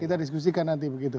kita diskusikan nanti begitu